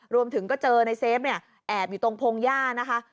รวมถึงก็เจอในเซฟเนี่ยแอบอยู่ตรงพงหญ้านะคะ